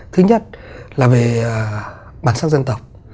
thứ nhất là về bản sắc dân tộc